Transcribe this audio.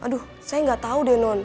aduh saya gak tau deh non